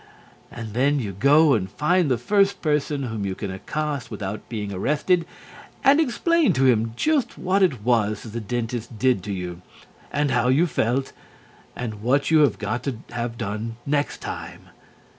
And then you go and find the first person whom you can accost without being arrested and explain to him just what it was that the dentist did to you, and how you felt, and what you have got to have done next time.